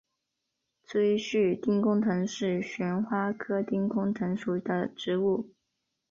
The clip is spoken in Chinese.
锥序丁公藤是旋花科丁公藤属的植物。